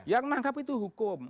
yang menangkap itu hukum